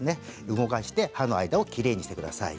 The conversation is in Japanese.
動かして歯の間をきれいにしてください。